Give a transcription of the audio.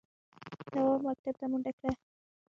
تواب مکتب ته منډه کړه.